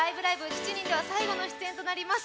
７人では最後の出演となります